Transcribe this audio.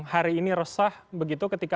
hari ini resah begitu ketika